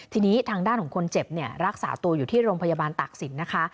ทีนี้ทางด้านของคนเจ็บเนี่ยรักษาตัวอยู่ที่โรงพยาบาลตากศิลป์นะคะ